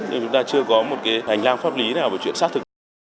nhưng chúng ta chưa có một cái hành lang pháp lý nào về chuyện xác thực